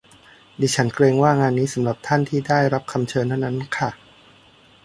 ดิฉันเกรงว่างานนี้สำหรับท่านที่ได้รับคำเชิญเท่านั้นค่ะ